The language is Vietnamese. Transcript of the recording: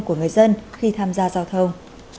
của người dân khi tham gia giao thông